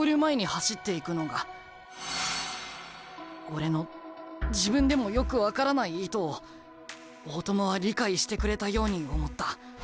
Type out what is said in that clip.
俺の自分でもよく分からない意図を大友は理解してくれたように思った。